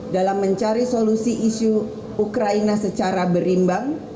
dalam mencari solusi isu ukraina secara berimbang